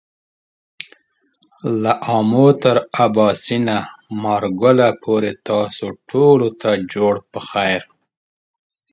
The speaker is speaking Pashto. له آمو تر آباسينه ، مارګله پورې تاسو ټولو ته جوړ پخير !